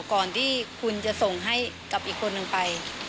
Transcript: ก่อนที่คุณจะส่งให้กับอีกคนนึงไป